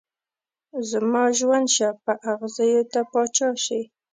زما ژوند شه په اغزيو ته پاچا شې